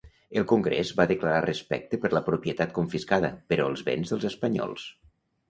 El Congrés va declarar respecte per la propietat confiscada, però els béns dels espanyols.